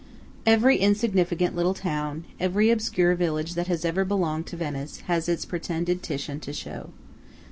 Every insignificant little town, every obscure village that has ever belonged to Venice has its pretended Titian to show.